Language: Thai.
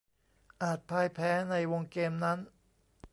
อาจพ่ายแพ้ในวงเกมนั้น